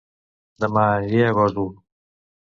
Dema aniré a Gósol